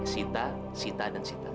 sita sita dan sita